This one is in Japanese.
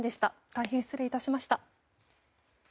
大変失礼いたしました。